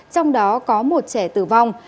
trong đó có một trẻ tử vong